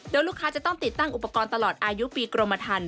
โดยลูกค้าจะต้องติดตั้งอุปกรณ์ตลอดอายุปีกรมทัน